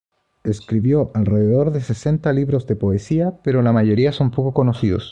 Escribió alrededor de sesenta libros de poesía, pero la mayoría son poco conocidos.